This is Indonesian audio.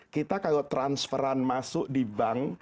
kita kalau transferan masuk di bank